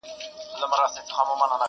چي يقين يې د خپل ځان پر حماقت سو٫